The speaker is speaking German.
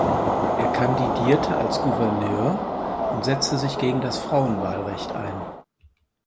Er kandidierte als Gouverneur und setzte sich gegen das Frauenwahlrecht ein.